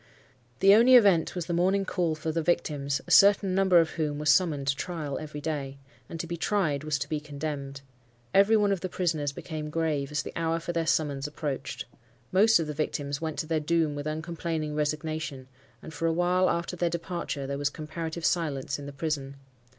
The only event was the morning call for the victims, a certain number of whom were summoned to trial every day. And to be tried was to be condemned. Every one of the prisoners became grave, as the hour for their summons approached. Most of the victims went to their doom with uncomplaining resignation, and for a while after their departure there was comparative silence in the prison.